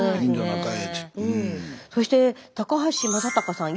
そして高橋正孝さん